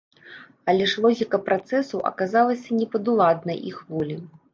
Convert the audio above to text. Але ж логіка працэсаў аказалася непадуладнай іх волі.